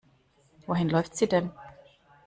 Wohin läuft sie denn?